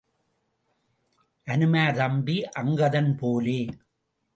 அனுமார் தம்பி அங்கதன் போலே.